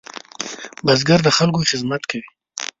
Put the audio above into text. بزګر د خلکو خدمت کوي